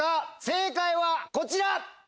正解はこちら！